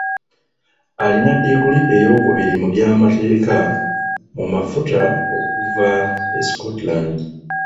Alina ddiguli eyookubiri mu by’amateeka mu mafuta okuva e Scotland.